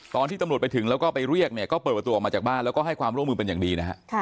ตอนที่ตำรวจไปถึงแล้วก็ไปเรียกเนี่ยก็เปิดประตูออกมาจากบ้านแล้วก็ให้ความร่วมมือเป็นอย่างดีนะฮะ